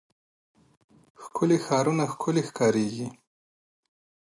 ښکلي ښارونه ښکلي ښکاريږي.